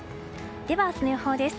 では、明日の予報です。